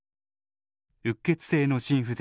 うっ血性の心不全。